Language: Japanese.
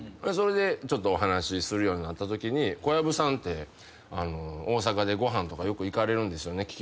それでちょっとお話しするようになったときに「小籔さんって大阪でご飯とかよく行かれるんですよね？